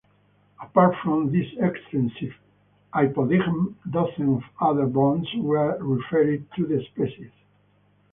Apart from this extensive hypodigm, dozens of other bones were referred to the species.